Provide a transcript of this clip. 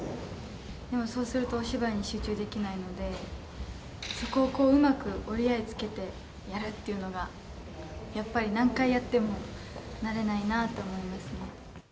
でもそうすると、お芝居に集中できないので、そこをうまく折り合いつけてやるっていうのが、やっぱり何回やっても慣れないなと思いますね。